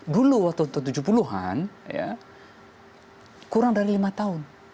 dulu waktu tujuh puluh an kurang dari lima tahun